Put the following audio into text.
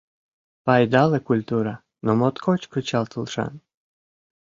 Пайдале культура, но моткоч кычалтылшан.